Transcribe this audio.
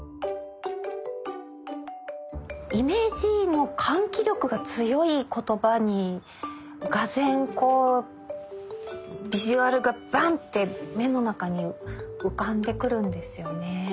イメージの喚起力が強い言葉に俄然こうビジュアルがバンって目の中に浮かんでくるんですよね。